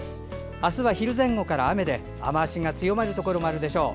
明日は昼前後から雨で、雨足が強まるところもあるでしょう。